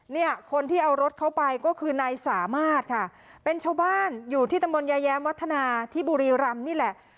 เนี่ยคนที่เอารถเข้าไปก็คือนายสามารถค่ะเป็นชาวบ้านอยู่ที่ตะมนตยาแย้มวัฒนาที่บุรีรำนี่แหละ